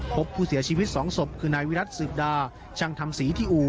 พบผู้เสียชีวิต๒ศพคือนายวิรัติสืบดาช่างทำสีที่อู่